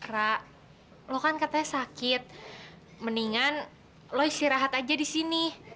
ra lo kan katanya sakit mendingan lo istirahat aja disini